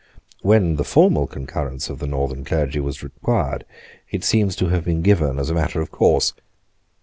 When the formal concurrence of the Northern clergy was required, it seems to have been given as a matter of course.